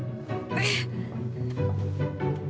えっ？